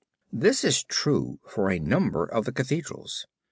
This is true for a number of the Cathedrals.